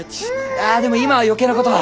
あでも今は余計なことは。